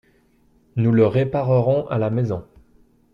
Nous le réparerons à la maison.